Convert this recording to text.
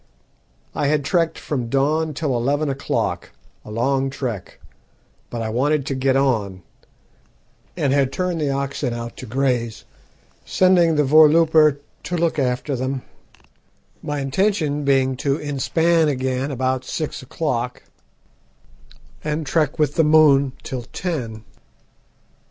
"I had trekked from dawn till eleven o'clock a long trek but I wanted to get on, and had turned the oxen out to graze, sending the voorlooper to look after them, my intention being to inspan again about six o'clock, and trek with the moon till ten.